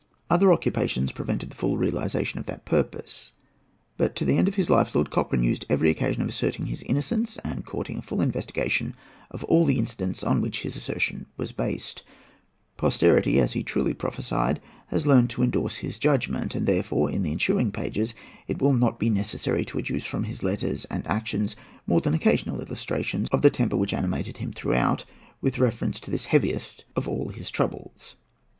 Other occupations prevented the full realization of that purpose. But to the end of his life Lord Cochrane used every occasion of asserting his innocence and courting a full investigation of all the incidents on which his assertion was based. Posterity, as he truly prophesied, has learnt to endorse his judgment; and therefore, in the ensuing pages, it will not be necessary to adduce from his letters and actions more than occasional illustrations of the temper which animated him throughout with reference to this heaviest of all his heavy troubles.